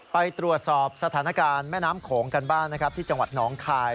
ไปตรวจสอบสถานการณ์แม่น้ำโขงกันบ้างนะครับที่จังหวัดหนองคาย